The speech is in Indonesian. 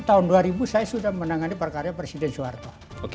tahun dua ribu saya sudah menangani perkara presiden soeharto